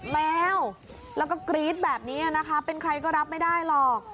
แมวแล้วก็กรี๊ดแบบนี้นะคะเป็นใครก็รับไม่ได้หรอก